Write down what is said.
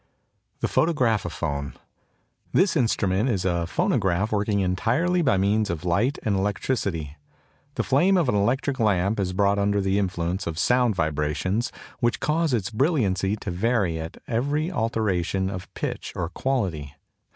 THE PHOTOGRAPHOPHONE. This instrument is a phonograph working entirely by means of light and electricity. The flame of an electric lamp is brought under the influence of sound vibrations which cause its brilliancy to vary at every alteration of pitch or quality.